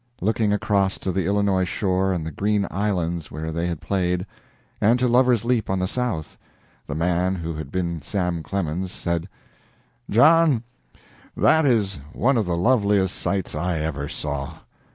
Looking across to the Illinois shore and the green islands where they had played, and to Lover's Leap on the south, the man who had been Sam Clemens said: "John, that is one of the loveliest sights I ever saw.